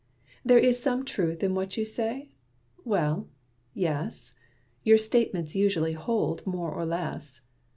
There is some truth in what you say? Well, yes! Your statements usually hold more or less.